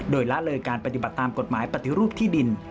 โดยละเลยการปฏิบัติตามกฎหมายปฏิรูปที่ดิน